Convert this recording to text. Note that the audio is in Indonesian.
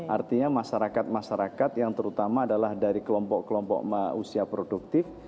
artinya masyarakat masyarakat yang terutama adalah dari kelompok kelompok usia produktif